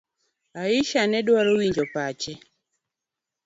Aisha nedwaro winjo pache.